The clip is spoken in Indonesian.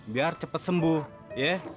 biar cepet sembuh ya